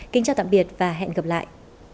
kính chào tạm biệt và hẹn gặp lại